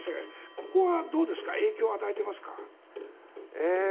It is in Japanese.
ここはどうですか影響を与えていますか？